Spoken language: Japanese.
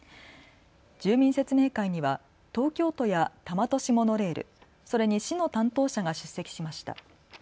住民説明会には東京都や多摩都市モノレール、それに市の担当者が出席しました。